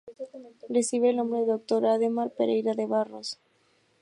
Recibe el nombre de Dr. Adhemar Pereira de Barros.